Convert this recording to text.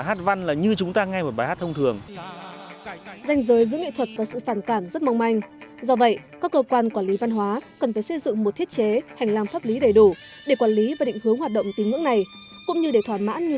hát văn ở trong nghi lễ thì sẽ khác nhất định